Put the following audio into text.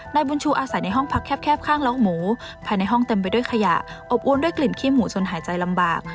นายบุญชูอาศัยในห้องพักแคบข้างล็อกหมูภายในห้องเต็มไปด้วยขยะอบอ้วนด้วยกลิ่นขี้หมูจนหายใจลำบาก